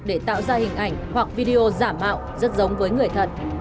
để tạo ra hình ảnh hoặc video giả mạo rất giống với người thật